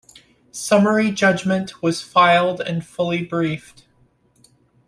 Summary judgment was filed and fully briefed.